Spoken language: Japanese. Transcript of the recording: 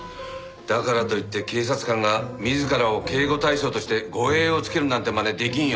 だからといって警察官が自らを警護対象として護衛を付けるなんて真似出来んよ。